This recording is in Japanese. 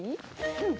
うん。